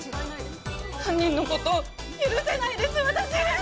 犯人のこと許せないです、私！